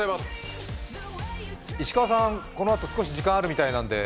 石川さん、このあと少し時間あるみたいなので。